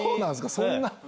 そんな。